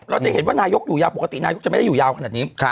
เราจะเห็นว่านายกอยู่ยาวปกตินายกจะไม่ได้อยู่ยาวขนาดนี้